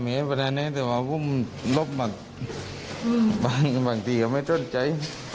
ไม่ได้ไงแต่ว่าหัวเรามาบางที่ไม่ช่วยใจ